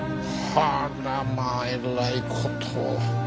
あらまあえらいことを。